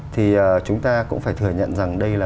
thì chúng ta cũng phải thừa nhận rằng đây là